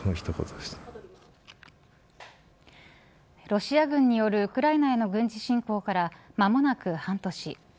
ロシア軍によるウクライナへの軍事侵攻から間もなく半年。